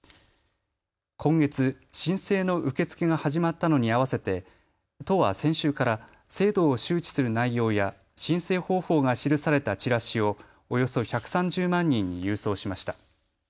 今月、申請の受け付けが始まったのに合わせて都は先週から制度を周知する内容や申請方法が記されたチラシをおよそ１３０万人に郵送しました。